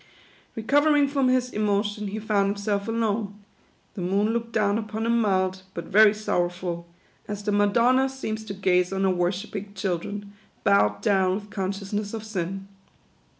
Recovering from his emotion, he found himself alone. The moon looked down upon him mild, but very sorrowful ; as the Madonna seems to gaze on her worshipping children, bowed down with conscious ness of sin.